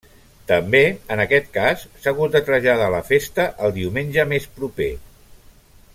També en aquest cas s'ha hagut de traslladar la festa al diumenge més proper.